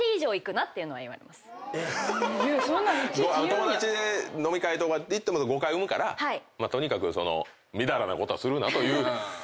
友達で飲み会とか行っても誤解を生むからとにかくみだらなことはするなという。